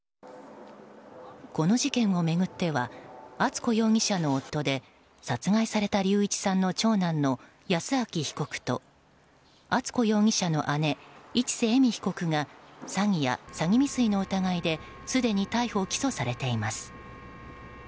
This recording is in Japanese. この事件を巡っては敦子容疑者の夫で殺害された隆一さんの長男の保彰被告と敦子容疑者の姉・市瀬恵美被告が詐欺や詐欺未遂の疑いですでに逮捕・起訴されています。